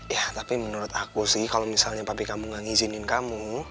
ya tapi menurut aku sih kalau misalnya pabrik kamu gak ngizinin kamu